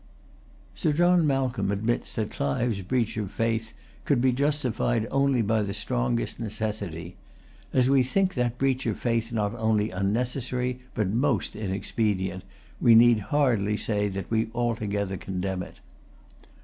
Sir John Malcolm admits that Clive's breach of faith could be justified only by the strongest necessity. As we think that breach of faith not only unnecessary, but most inexpedient, we need hardly say that we altogether condemn it.